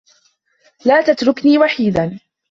لا تتركني وحيدا.